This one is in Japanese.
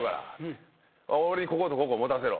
「俺にこことここ持たせろ。